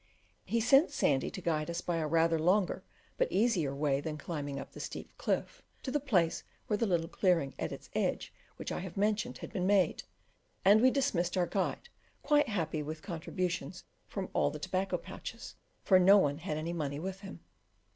He sent Sandy to guide us by a rather longer but easier way than climbing up the steep cliff to the place where the little clearing at its edge which I have mentioned had been made; and we dismissed our guide quite happy with contributions from all the tobacco pouches, for no one had any money with him.